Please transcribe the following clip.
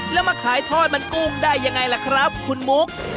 แล้วมาขายทอดบาลมันกุ้งได้อย่างไรหละครับคุณหมู๊ก